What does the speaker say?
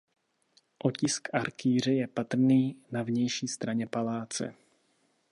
Otisk arkýře je patrný na vnější straně paláce.